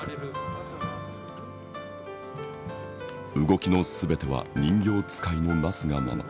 動きの全ては人形遣いのなすがまま。